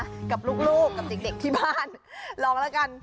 กับลูกกับเด็กที่บ้านลองแล้วกัน